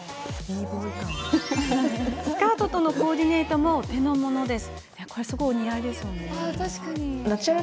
スカートとのコーディネートもお手の物です。